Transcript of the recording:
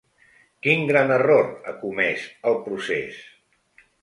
Quin gran error ha comès el procés?